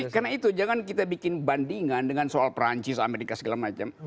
karena itu jangan kita bikin bandingan dengan soal perancis amerika segala macam